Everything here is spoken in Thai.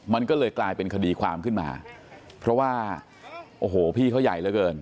มันก็เลยกลายเป็นคดีความขึ้นมาเพราะว่าโอ้โหพี่เขาใหญ่เหลือเกิน